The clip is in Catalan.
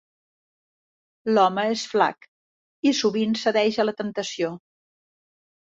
L'home és flac i sovint cedeix a la temptació.